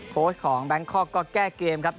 โค้ชของแบงค์คอร์ก็แก้เกมครับ